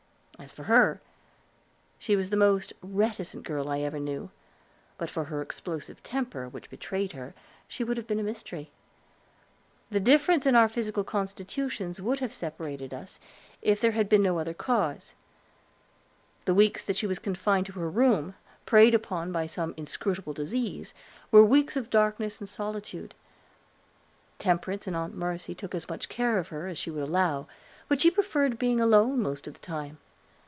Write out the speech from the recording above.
As for her, she was the most reticent girl I ever knew, and but for her explosive temper, which betrayed her, she would have been a mystery. The difference in our physical constitutions would have separated us, if there had been no other cause. The weeks that she was confined to her room, preyed upon by some inscrutable disease, were weeks of darkness and solitude. Temperance and Aunt Merce took as much care of her as she would allow; but she preferred being alone most of the time.